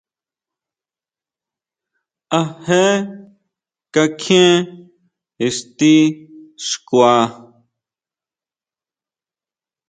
¿A je kakjien ixti xkua.